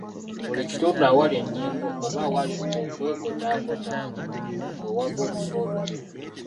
Buli kitundu awali ennyingo, oba awali okwegotaagota ku mubiri, weewava olusu olwo.